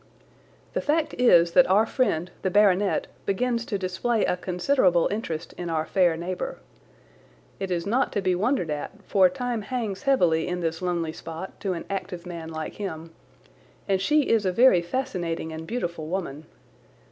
The fact is that our friend, the baronet, begins to display a considerable interest in our fair neighbour. It is not to be wondered at, for time hangs heavily in this lonely spot to an active man like him, and she is a very fascinating and beautiful woman.